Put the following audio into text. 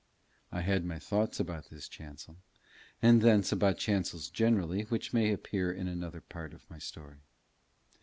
I had my thoughts about this chancel, and thence about chancels generally which may appear in another part of my story.